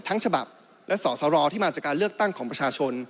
ฉบับและสอสรที่มาจากการเลือกตั้งของประชาชน